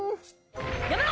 やめろ！